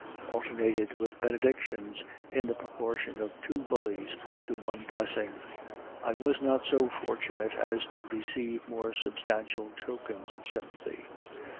alternated with benedictions, in the proportion of two "bullies" to one blessing. I was not so fortunate as to receive more substantial tokens of sympathy.